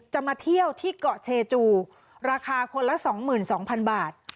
มาเที่ยวที่เกาะเชจูราคาคนละ๒๒๐๐๐บาท